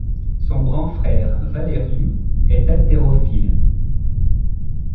Son grand frère Valeriu est haltérophile.